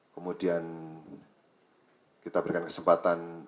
kemudian kita berikan kesempatan untuk pemeriksaan